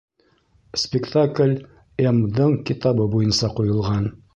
Спектакль М.-дың китабы буйынса ҡуйылған